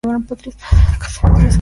Sarah se casó en tres ocasiones.